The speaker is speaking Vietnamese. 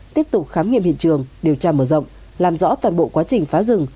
tiếp tục khám nghiệm hiện trường điều tra mở rộng làm rõ toàn bộ quá trình phá rừng